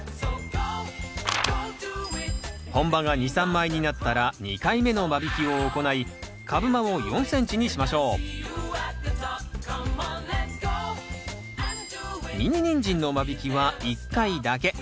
本葉が２３枚になったら２回目の間引きを行い株間を４ｃｍにしましょうミニニンジンの間引きは１回だけ。